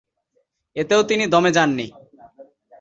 এতেও তিনি দমে যাননি।